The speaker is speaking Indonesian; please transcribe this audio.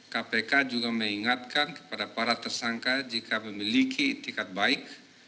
kpk juga mengingatkan kepada para tersangka jika memiliki etikat baik